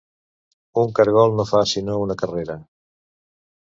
Un caragol no fa sinó una carrera.